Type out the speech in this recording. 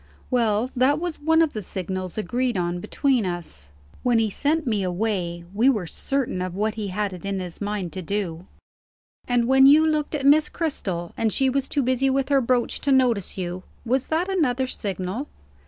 "Well, that was one of the signals agreed on between us. When he sent me away, we were certain of what he had it in his mind to do." "And when you looked at Miss Cristel, and she was too busy with her brooch to notice you, was that another signal?"